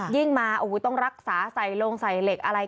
ยิ่งมาโอ้โหต้องรักษาใส่ลงใส่เหล็กอะไร